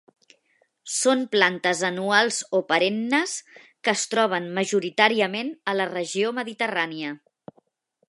Són plantes anuals o perennes que es troben majoritàriament a la regió mediterrània.